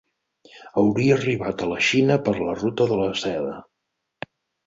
Hauria arribat a la Xina per la Ruta de la seda.